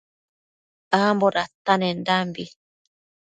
Ambo datanendanbi